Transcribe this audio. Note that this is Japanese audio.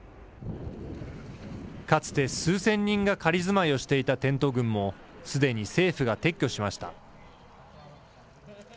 かつて数千人が仮住まいをしていたテント群もすでに政府が撤去しました。